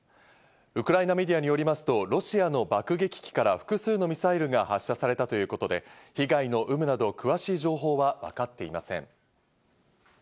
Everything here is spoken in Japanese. ウクライナメディアによりますと、ロシアの爆撃機から複数のミサイルが発射されたということで、被害の有無など、詳しい情報はわかっていません。